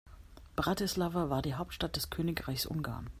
Bratislava war die Hauptstadt des Königreichs Ungarn.